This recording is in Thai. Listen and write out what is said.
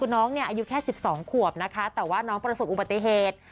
คุณน้องนี่อายุแค่สิบสองควบแต่ว่าน้องประสูจน์อุบัติเหตุ